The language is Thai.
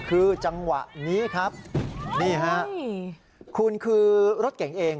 คือจังหวะนี้ครับนี่ฮะคุณคือรถเก่งเอง